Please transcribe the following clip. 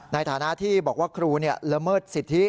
ในฐานะที่บอกว่าครูละเมิดสิทธิ